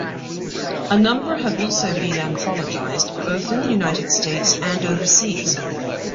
A number have also been anthologized, both in the United States and overseas.